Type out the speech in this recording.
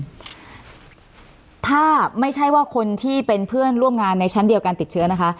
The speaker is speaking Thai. ถ้าไม่ใช่ว่าคนที่เป็นเพื่อนร่วมงานในชั้นเดียวกันติดเชื้อนะคะ